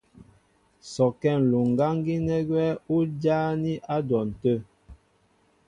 Sɔkɛ́ ǹluŋgáŋ gínɛ́ gwɛ́ ú jáání á dwɔn tə̂.